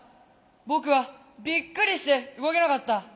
僕はびっくりして動けなかった。